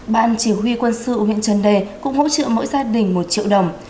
ban chỉ huy quân sự huyện trần đề cũng hỗ trợ mỗi gia đình một triệu đồng